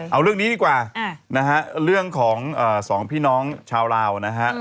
เอาเรื่องนี้ดีกว่านะฮะเรื่องของสองพี่น้องชาวลาวนะฮะ